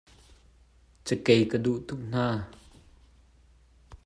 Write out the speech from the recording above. Cakei ka duh tuk hna .